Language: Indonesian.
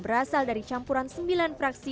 berasal dari campuran sembilan fraksi